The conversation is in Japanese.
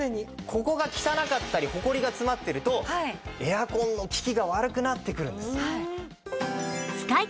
ここが汚かったりホコリが詰まってるとエアコンの効きが悪くなってくるんです。